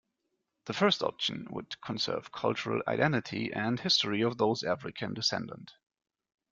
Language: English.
The first option would conserve cultural identity and history of those African descendant.